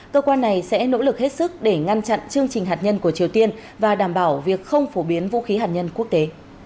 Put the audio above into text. cơ quan này sẽ nỗ lực hết sức để ngăn chặn chương trình hạt nhân của triều tiên và đảm bảo việc không phổ biến vũ khí hạt nhân quốc tế